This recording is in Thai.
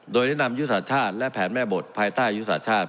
โดยแนะนำยุทธศาสตร์ชาติและแผนแม่บทภายใต้ยุทธศาสตร์ชาติ